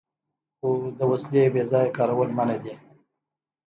خو د وسلې بې ځایه کارول منع دي.